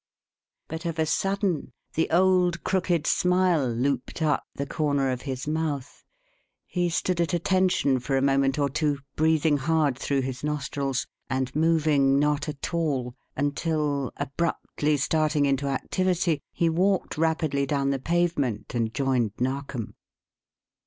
But of a sudden the old crooked smile looped up the corner of his mouth; he stood at attention for a moment or two, breathing hard through his nostrils, and moving not at all until, abruptly starting into activity, he walked rapidly down the pavement and joined Narkom.